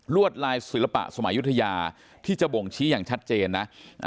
วดลายศิลปะสมัยยุธยาที่จะบ่งชี้อย่างชัดเจนนะ